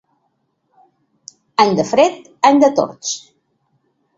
Any de fred, any de tords.